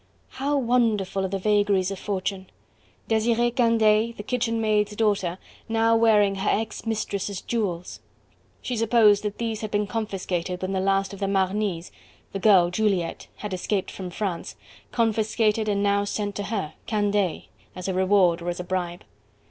How wonderful are the vagaries of fortune! Desiree Candeille, the kitchen maid's daughter, now wearing her ex mistress' jewels. She supposed that these had been confiscated when the last of the Marnys the girl, Juliette had escaped from France! confiscated and now sent to her Candeille as a reward or as a bribe!